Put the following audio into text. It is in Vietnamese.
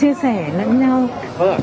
chia sẻ lẫn nhau